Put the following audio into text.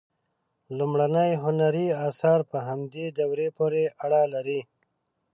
لومړني هنري آثار په همدې دورې پورې اړه لري.